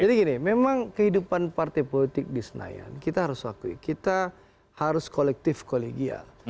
jadi gini memang kehidupan partai politik di senayan kita harus lakuin kita harus kolektif kolegial